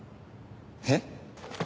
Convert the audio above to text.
えっ？